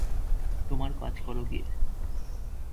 তোমার কাজ করো গিয়ে!